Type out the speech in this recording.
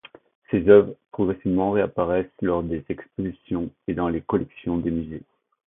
Ses œuvres progressivement réapparaissent lors des expositions et dans les collections des musées.